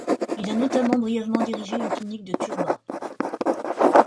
Il a notamment brièvement dirigé une clinique de Turbat.